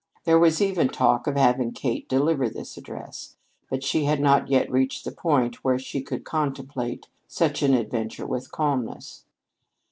There was even talk of having Kate deliver this address, but she had not yet reached the point where she could contemplate such an adventure with calmness.